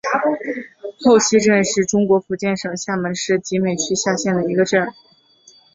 后溪镇是中国福建省厦门市集美区下辖的一个镇。